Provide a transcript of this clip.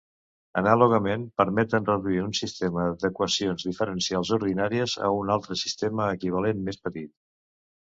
Anàlogament permeten reduir un sistema d'equacions diferencials ordinàries a un altre sistema equivalent més petit.